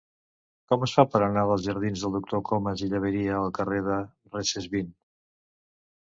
Com es fa per anar dels jardins del Doctor Comas i Llaberia al carrer de Recesvint?